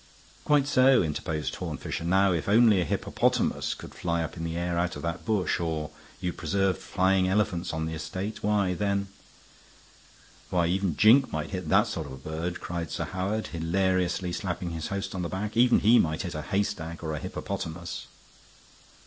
"Quite so," interposed Horne Fisher. "Now if only a hippopotamus could fly up in the air out of that bush, or you preserved flying elephants on the estate, why, then " "Why even Jink might hit that sort of bird," cried Sir Howard, hilariously slapping his host on the back. "Even he might hit a haystack or a hippopotamus."